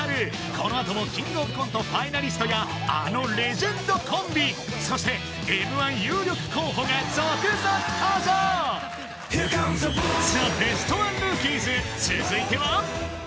このあともキングオブコントファイナリストやあのレジェンドコンビそしてＭ−１有力候補が続々登場ザ・ベストワンルーキーズ続いては？